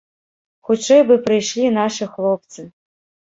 Хутчэй бы прыйшлі нашы хлопцы.